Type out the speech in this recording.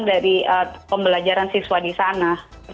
dari pembelajaran siswa di sana